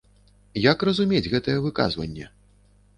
Як разумець гэтае выказванне?